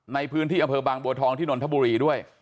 ในพื้นที่อำเภอบางบัวทองที่นนทบุรีด้วย